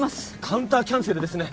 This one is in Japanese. カウンターキャンセルですね。